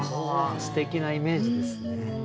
すてきなイメージですね。